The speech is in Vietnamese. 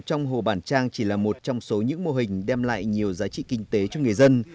trong hồ bản trang chỉ là một trong số những mô hình đem lại nhiều giá trị kinh tế cho người dân